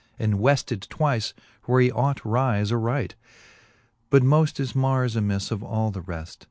And wefted twice, where he ought rife aright. But moft is Mars amifle of all the reft.